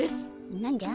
何じゃ？